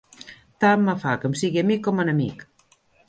Tant me fa que em sigui amic com enemic!